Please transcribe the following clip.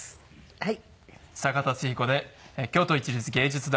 はい。